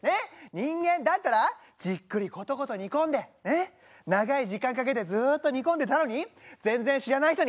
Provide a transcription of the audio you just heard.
人間だったらじっくりことこと煮込んで長い時間かけてずっと煮込んでたのに全然知らない人にバシャ！